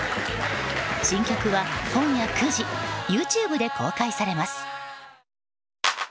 新曲は今夜９時ＹｏｕＴｕｂｅで公開されます。